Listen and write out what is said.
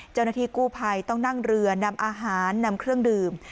เจ้าหน้าที่กู้ภัยต้องนั่งเรือนำอาหารนำเครื่องดื่ม